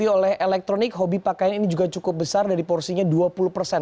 di oleh elektronik hobi pakaian ini juga cukup besar dari porsinya dua puluh persen